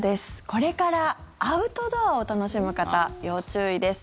これからアウトドアを楽しむ方要注意です。